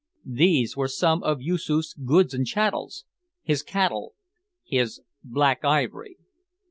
These were some of Yoosoof's "goods and chattels," his "cattle," his "black ivory."